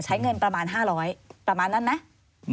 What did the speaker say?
ใช้เงินประมาณ๕๐๐ประมาณนั้นไหม